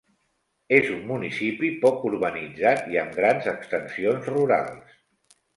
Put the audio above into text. És un municipi poc urbanitzat i amb grans extensions rurals.